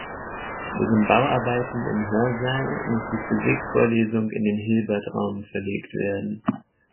Wegen Bauarbeiten im Hörsaal muss die Physikvorlesung in den Hilbertraum verlegt werden.